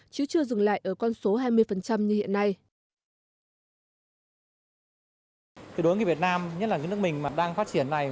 chứ chưa dừng lại ở con số hai mươi như hiện nay